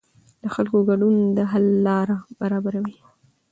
د خلکو ګډون د حل لاره برابروي